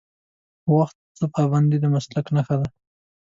وخت ته پابندي د مسلک نښه ده.